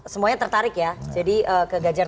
semuanya tertarik ya jadi ke ganjar